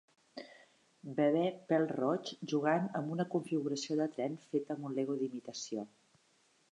Bebè pèl-roig jugant amb una configuració de tren feta amb un Lego d'imitació.